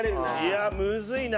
いやむずいな。